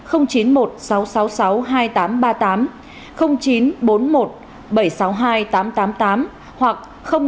chín mươi một sáu trăm sáu mươi sáu hai nghìn tám trăm ba mươi tám chín trăm bốn mươi một bảy trăm sáu mươi hai tám trăm tám mươi tám hoặc hai trăm ba mươi chín ba trăm tám mươi bốn năm nghìn bốn trăm ba mươi tám